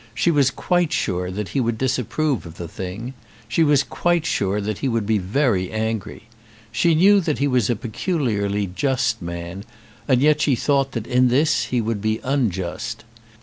She was quite sure that he would disapprove of the thing. She was quite sure that he would be very angry. She knew that he was a peculiarly just man, and yet she thought that in this he would be unjust.